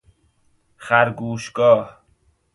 خرگوشگاه